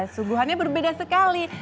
suguhannya berbeda sekali